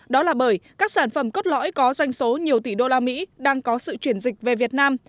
đó là bởi các sản phẩm cốt lõi có doanh số nhiều tỷ usd đang có sự chuyển dịch về việt nam